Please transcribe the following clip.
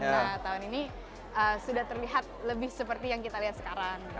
nah tahun ini sudah terlihat lebih seperti yang kita lihat sekarang